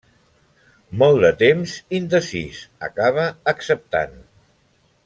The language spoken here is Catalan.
Molt de temps indecís, acaba acceptant.